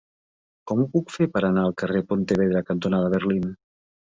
Com ho puc fer per anar al carrer Pontevedra cantonada Berlín?